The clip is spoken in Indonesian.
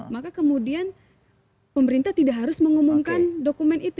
maka kemudian pemerintah tidak harus mengumumkan dokumen itu